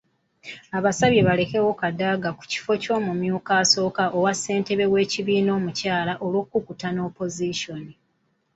Abasabye balekewo Kadaga ku kifo ky’omumyuka asooka owa ssentebe w’ekibiina omukyala olw'okukuta ne Opozisoni.